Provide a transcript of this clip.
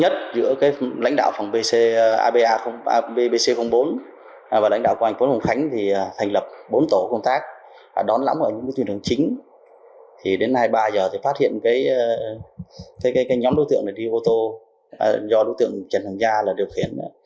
trên trường chính đến hai mươi ba h phát hiện nhóm đối tượng đi ô tô do đối tượng trần thành gia điều khiển